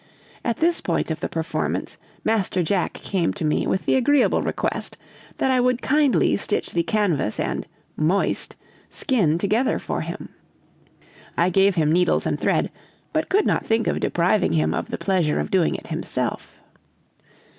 At this point of the performance, Master Jack came to me with the agreeable request that I would kindly stitch the canvas and (moist) skin together for him. I gave him needles and thread, but could not think of depriving him of the pleasure of doing it himself.